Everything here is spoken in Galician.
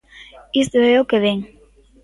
Isto é o que vén.